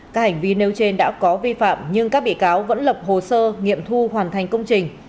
các hành vi nêu trên đã có vi phạm nhưng các bị cáo vẫn lập hồ sơ nghiệm thu hoàn thành công trình